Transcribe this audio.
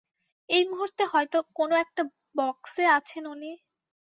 এই মুহূর্তে হয়তো কোনো একটা বক্সে আছেন উনি।